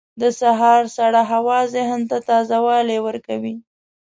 • د سهار سړه هوا ذهن ته تازه والی ورکوي.